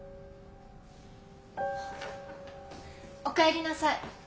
おかえりなさい。